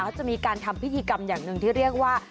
เขาจะมีการทำพิธีกรรมอย่างหนึ่งที่เรียกว่า